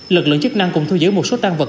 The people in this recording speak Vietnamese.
lực lượng chức năng cũng thu giữ một số tan vật